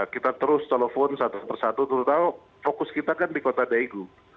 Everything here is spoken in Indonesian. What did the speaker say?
kita terus telepon satu persatu terutama fokus kita kan di kota daegu